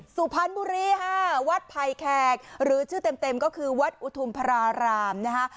สุพรรณบุรีค่ะวัดไผ่แขกหรือชื่อเต็มก็คือวัดอุทุมพรารามนะคะ